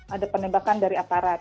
ada penembakan dari aparat